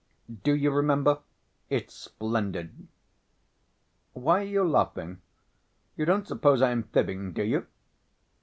Do you remember? It's splendid. Why are you laughing? You don't suppose I am fibbing, do you?"